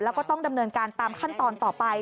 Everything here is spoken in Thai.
แล้วก็ต้องดำเนินการตามขั้นตอนต่อไป